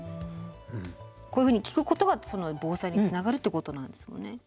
こういうふうに聞くことが防災につながるってことなんですもんね。